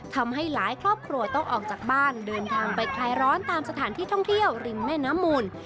ทำให้หลายครอบครัวต้องออกจากบ้านเดินทางไปคลายร้อนตามสถานที่ท่องเที่ยวริมแม่น้ำมูล